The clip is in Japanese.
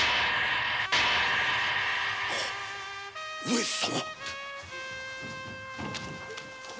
上様！